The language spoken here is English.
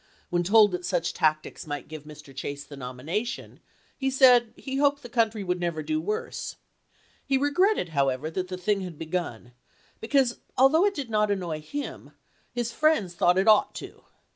When told that such tactics might give Mr. Chase the nomination, he said he hoped the country would never do worse. He regretted, however, that the thing had begun, because al though it did not annoy him, his friends thought it ought to.